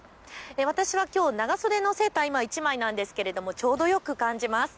私はきょう、長袖のセーター１枚なんですがちょうどよく感じられます。